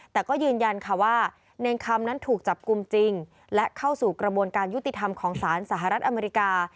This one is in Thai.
แต่ก็ยืนยันค่ะว่าเนรคำนั้นถูกจับกลุ่มจริงและเข้าสู่กระบวนการยุติธรรมของศาลสหรัฐอเมริกา